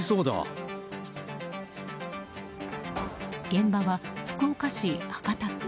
現場は福岡市博多区。